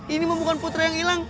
ini bukan putra yang hilang